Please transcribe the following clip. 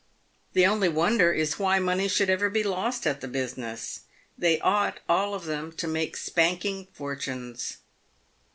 The only wonder is why money should ever be lost at the business. They ought, all of them, to make spanking fortunes.